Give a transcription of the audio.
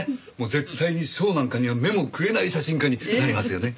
絶対に賞なんかには目もくれない写真家になりますよね。